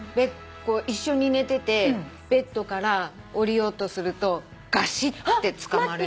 一緒に寝ててベッドから下りようとするとガシッてつかまれる。